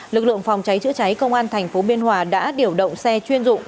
lực lượng phòng cháy chữa cháy công an thành phố biên hòa đã điều động xe chuyên dụng